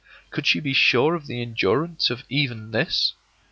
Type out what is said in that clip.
Could she be sure of the endurance of even this?